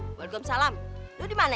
waalaikumsalam lo dimana ya